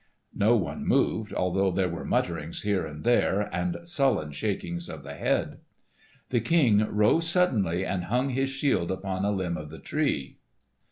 No one moved, although there were mutterings here and there and sullen shakings of the head. The King rose suddenly and hung his shield upon a limb of the tree.